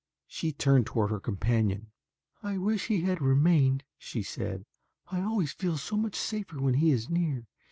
She turned toward her companion. "I wish that he had remained," she said. "I always feel so much safer when he is near.